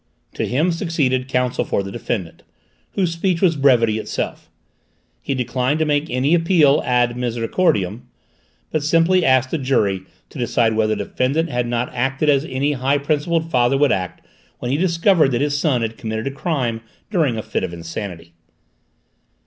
To him succeeded counsel for the defendant, whose speech was brevity itself. He declined to make any appeal ad misericordiam, but simply asked the jury to decide whether the defendant had not acted as any high principled father would act when he discovered that his son had committed a crime during a fit of insanity.